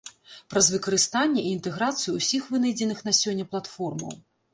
Праз выкарыстанне і інтэграцыю ўсіх вынайдзеных на сёння платформаў.